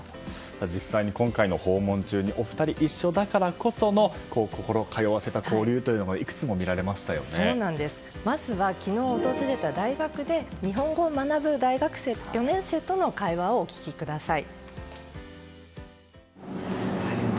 実際、今回の訪問中にお二人一緒だからこその心通わせた交流というのがまずは昨日訪れた大学で日本語を学ぶ大学４年生との会話をお聞きください。